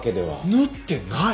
縫ってない？